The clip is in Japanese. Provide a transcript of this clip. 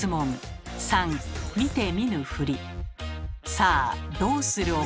さあどうする岡村。